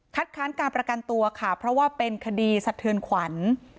ค้านการประกันตัวค่ะเพราะว่าเป็นคดีสะเทือนขวัญ